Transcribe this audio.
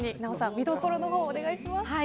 見どころの方、お願いします。